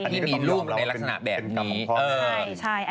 ที่มีรูปในลักษณะแบบนี้